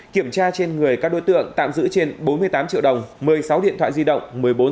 kiểm tra trên người các đối tượng tạm giữ trên bốn mươi tám triệu đồng một mươi sáu điện thoại di động một mươi bốn xe mô tô các loại